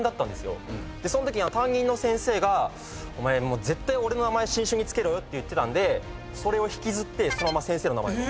そのときに担任の先生が「お前絶対俺の名前新種に付けろよ」って言ってたんでそれを引きずってそのまま先生の名前を。